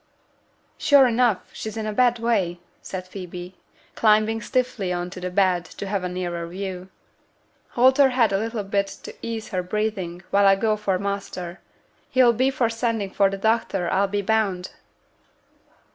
'Sure enough, she's in a bad way!' said Phoebe, climbing stiffly on to the bed to have a nearer view. 'Hold her head a little up t' ease her breathin' while I go for master; he'll be for sendin' for t' doctor, I'll be bound.'